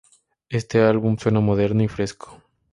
Este álbum suena moderno y fresco.